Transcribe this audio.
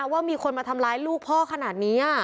ว่ามีคนมาทำร้ายลูกพ่อขนาดนี้